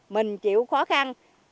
mình chịu khó khăn